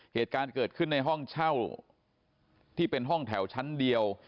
เหตุการณ์เกิดขึ้นในห้องเช่าที่เป็นห้องแถวชั้นเดียว